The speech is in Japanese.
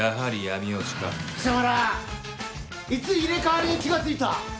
貴様らいつ入れ代わりに気がついた！？